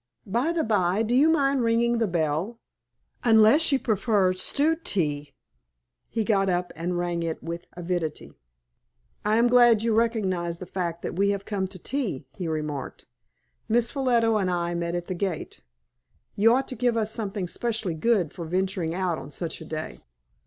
By the by, do you mind ringing the bell unless you prefer stewed tea?" He got up and rang it with avidity. "I am glad you recognize the fact that we have come to tea," he remarked. "Miss Ffolliot and I met at the gate. You ought to give us something specially good for venturing out on such a day."